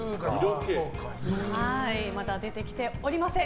まだ出てきておりません。